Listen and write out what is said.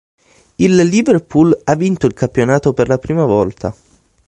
Il Liverpool ha vinto il campionato per la prima volta.